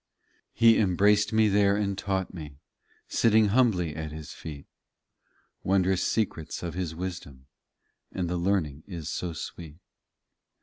27 He embraced me there and taught me Sitting humbly at His feet, Wondrous secrets of His wisdom : And the learning is so sweet.